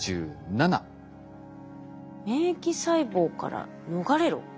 「免疫細胞から逃れろ」。